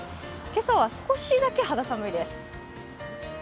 今朝は少しだけ肌寒いです。